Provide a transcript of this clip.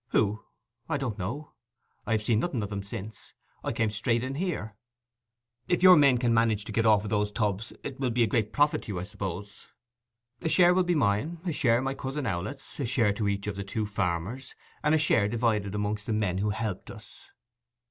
'Who?—I don't know. I have seen nothing of them since. I came straight in here.' 'If your men can manage to get off with those tubs, it will be a great profit to you, I suppose?' 'A share will be mine, a share my cousin Owlett's, a share to each of the two farmers, and a share divided amongst the men who helped us.